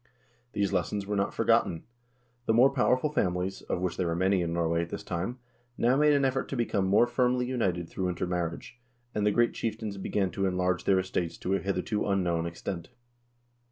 These lessons were not forgotten. The more powerful families, of which there were many in Norway at this time, now made an effort to become more firmly united through intermarriage, and the great chieftains began to enlarge their estates to a hitherto unknown extent.